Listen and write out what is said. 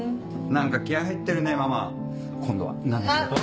何か気合入ってるねママ今度は何の仕事？